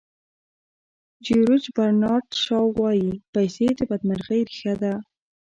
جیورج برنارد شاو وایي پیسې د بدمرغۍ ریښه ده.